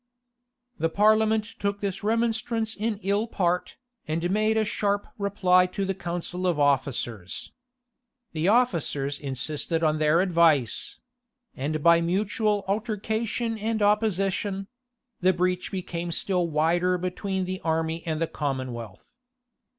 The parliament took this remonstrance in ill part, and made a sharp reply to the council of officers. The officers insisted on their advice; and by mutual altercation and opposition, the breach became still wider between the army and the commonwealth.